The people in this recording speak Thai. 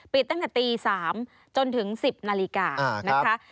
ปิดตั้งแต่ตี๓๐๐จนถึง๑๐๐๐นาฬิกา